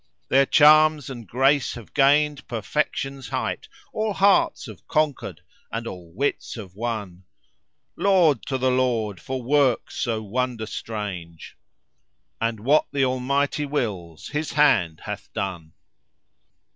Their charms and grace have gained perfection's height, * All hearts have conquered and all wits have won. Laud to the Lord for works so wonder strange, * And what th' Almighty wills His hand hath done!